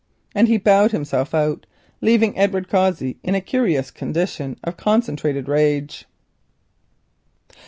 And he bowed himself out, leaving Edward Cossey in a curious condition of concentrated rage.